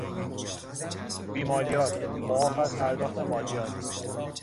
بیمالیات، معاف از پرداخت مالیات